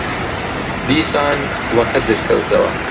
دیسان وەقەدر کەوتەوە